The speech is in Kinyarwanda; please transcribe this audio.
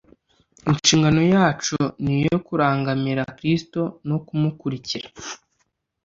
Inshingano yacu ni iyo kurangamira Kristo no kumukurikira.